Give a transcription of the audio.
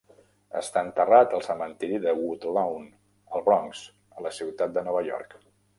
Està enterrat al cementiri de Woodlawn, al Bronx, a la ciutat de Nova York.